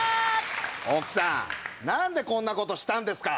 奥さん何でこんなことしたんですか